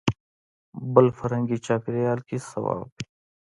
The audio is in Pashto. بل فرهنګي چاپېریال کې صواب وي.